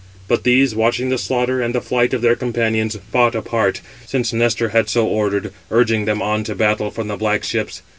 But these, watching the slaughter and flight of their companions, fought apart, since Nestor had so ordered, urging [them] on to battle from the black ships.